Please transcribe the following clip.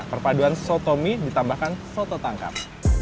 perpaduan soto mi ditambahkan soto tangkar